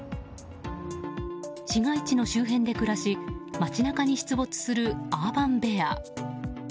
市街地の周辺で暮らし町中に出没するアーバンベア。